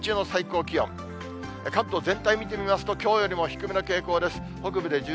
関東全体見てみますと、きょうよりも低めの傾向です。